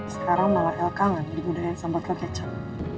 sekarang malah el kangen digodain sama botol kecap